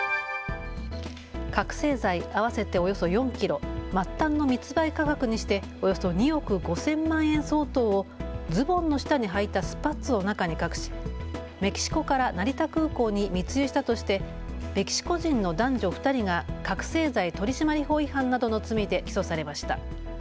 覚醒剤合わせておよそ４キロ、末端の密売価格にしておよそ２億５０００万円相当をズボンの下にはいたスパッツの中に隠しメキシコから成田空港に密輸したとしてメキシコ人の男女２人が覚醒剤取締法違反などの罪で起訴されました。